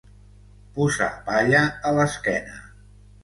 Posar palla a l'esquena.